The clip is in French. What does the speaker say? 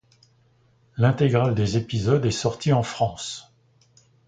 L'intégrale des épisodes est sortie en France.